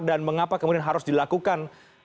dan mengapa kemudian harus dilakukan